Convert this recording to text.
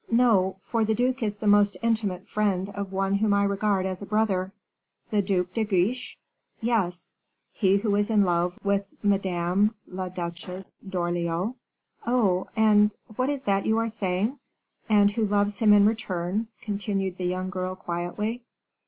"No; for the duke is the most intimate friend of one whom I regard as a brother." "The Duc de Guiche?" "Yes." "He who is in love with Madame la Duchesse d'Orleans?" "Oh! What is that you are saying?" "And who loves him in return," continued the young girl, quietly.